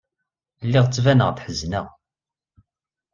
Lliɣ ttbaneɣ-d ḥezneɣ.